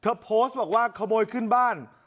โพสต์บอกว่าขโมยขึ้นบ้าน